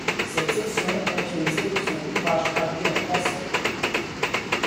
Cette section contient une sélection d'ouvrages traduits en français.